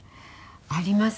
ありますね。